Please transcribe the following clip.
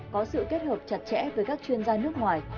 có sự kết hợp chặt chẽ với các chuyên gia nước ngoài